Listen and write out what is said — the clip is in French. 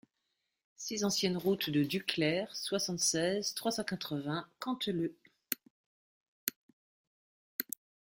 six ancienne Route de Duclair, soixante-seize, trois cent quatre-vingts, Canteleu